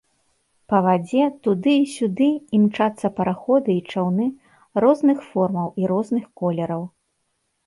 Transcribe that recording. Па вадзе туды і сюды імчацца параходы і чаўны розных формаў і розных колераў.